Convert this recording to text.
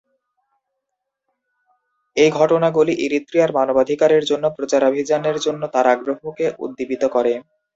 এই ঘটনাগুলি ইরিত্রিয়ার মানবাধিকারের জন্য প্রচারাভিযানের জন্য তার আগ্রহকে উদ্দীপিত করে।